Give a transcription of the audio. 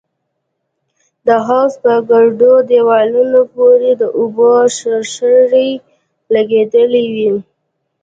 د حوض په ګردو دېوالونو پورې د اوبو شرشرې لگېدلې وې.